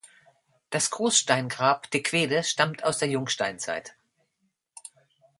Das Großsteingrab Dequede stammt aus der Jungsteinzeit.